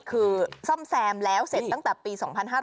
คือซ่อมแซมแล้วเสร็จตั้งแต่ปี๒๕๕๙